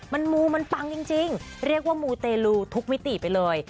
มันมูมันปังจริงเรียกว่ามูเตลูทุกมิติไปเลย